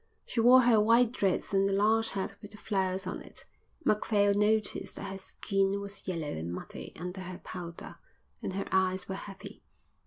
She wore her white dress and the large hat with the flowers on it. Macphail noticed that her skin was yellow and muddy under her powder, and her eyes were heavy.